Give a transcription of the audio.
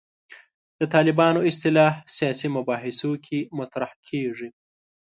د طالبانو اصطلاح سیاسي مباحثو کې مطرح کېږي.